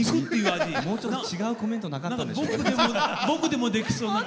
もうちょっと違うコメントなかったんですか？